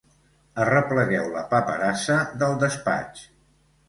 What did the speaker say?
Arreplegueu la paperassa del despatx.